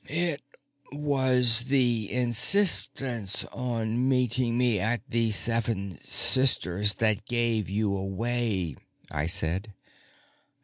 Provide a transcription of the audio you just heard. "It was the insistence on meeting me at the Seven Sisters that gave you away," I said.